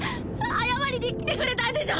謝りにきてくれたんでしょ？